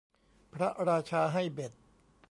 พระราชาให้เบ็ด